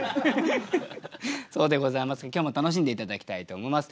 そうでございますか今日も楽しんで頂きたいと思います。